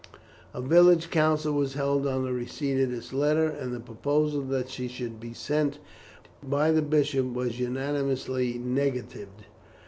A village council was held on the receipt of this letter, and the proposal that she should be sent by the bishop was unanimously negatived.